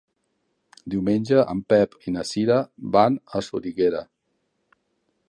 Diumenge en Pep i na Cira van a Soriguera.